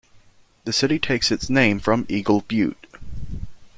The city takes its name from Eagle Butte.